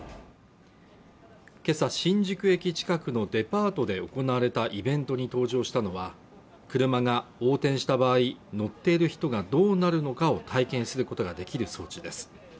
今朝新宿駅近くのデパートで行われたイベントに登場したのは車が横転した場合乗っている人がどうなるのかを体験することができる装置です